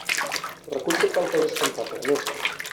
Recull tot el que has escampat, Ernest!